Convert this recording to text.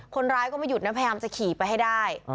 คนร้ายก็ไม่หยุดนะพยายามจะขี่ไปให้ได้